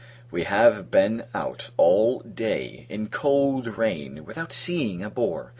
We have been out all day, in cold rain, without seeing a boar.